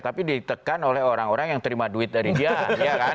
tapi ditekan oleh orang orang yang terima duit dari dia kan